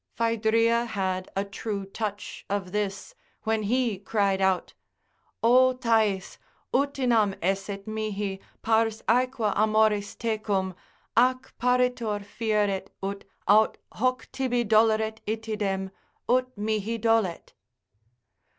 Phaedria had a true touch of this, when he cried out, O Thais, utinam esset mihi Pars aequa amoris tecum, ac paritor fieret ut Aut hoc tibi doleret itidem, ut mihi dolet.